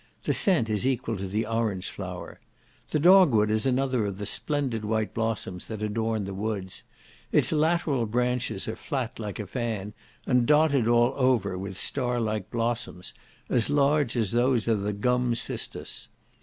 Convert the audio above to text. The scent is equal to the orange flower. The dogwood is another of the splendid white blossoms that adorn the woods. Its lateral branches are flat, like a fan, and dotted all over, with star like blossoms, as large as those of the gum cistus.